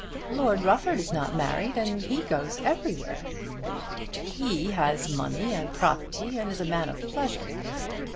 Lord Rufford is not married and he goes everywhere." "He has money and property and is a man of pleasure."